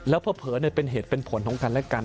แล้วเพราะเผลอเนี่ยเป็นเหตุเป็นผลของกันและกัน